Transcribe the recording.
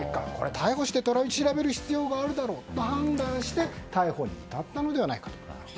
逮捕して、取り調べる必要があると判断して逮捕に至ったのではないかと。